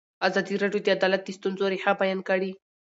ازادي راډیو د عدالت د ستونزو رېښه بیان کړې.